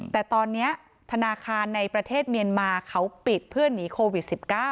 แต่ตอนนี้ธนาคารในประเทศเมียนมาเขาปิดเพื่อหนีโควิด๑๙